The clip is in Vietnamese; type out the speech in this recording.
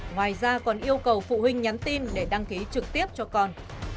ngoài ra còn yêu cầu phụ huynh nhắn tin để đăng ký trực tiếp cho con